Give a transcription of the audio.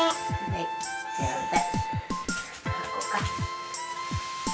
はこうか。